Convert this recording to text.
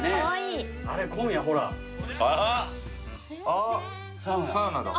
あっサウナだ。